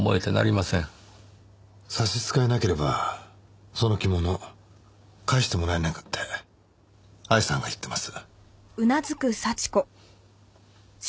差し支えなければその着物返してもらえないかって愛さんが言ってます。